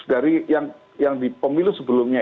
dari yang di pemilu sebelumnya